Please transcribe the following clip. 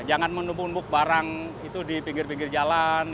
jangan menumpuk numpuk barang di pinggir pinggir jalan